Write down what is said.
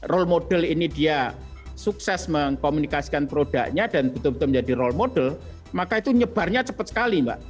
role model ini dia sukses mengkomunikasikan produknya dan betul betul menjadi role model maka itu nyebarnya cepat sekali mbak